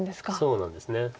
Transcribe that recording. そうなんです。